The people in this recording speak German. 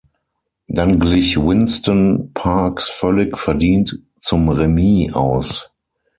Dann glich Winston Parks völlig verdient zum Remis aus.